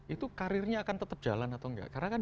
itu karirnya akan tetap jalan atau enggak karena kan